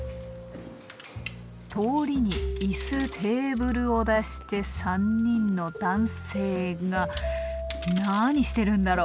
通りに椅子テーブルを出して３人の男性が何してるんだろう？